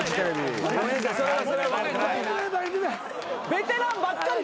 ベテランばっかり。